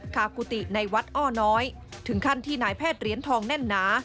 กุฏิในวัดอ้อน้อยถึงขั้นที่นายแพทย์เหรียญทองแน่นหนา